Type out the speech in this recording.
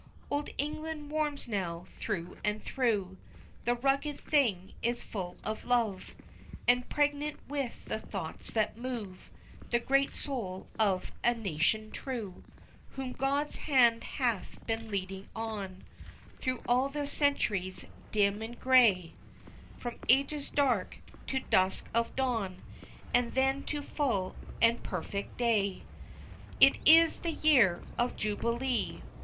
_ Old England warms now, through and through, The rugged thing is full of love, And pregnant with the thoughts that move The great soul of a nation true, Whom God's hand hath been leading on Through all the centuries dim and grey, From ages dark, to dusk of dawn, And then to full and perfect day. _It is the YEAR of JUBILEE!